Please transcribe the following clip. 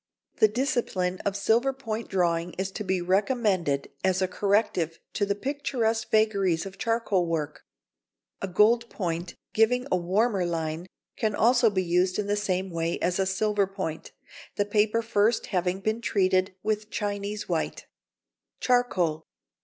The discipline of silver point drawing is to be recommended as a corrective to the picturesque vagaries of charcoal work. A gold point, giving a warmer line, can also be used in the same way as a silver point, the paper first having been treated with Chinese white. [Sidenote: Charcoal.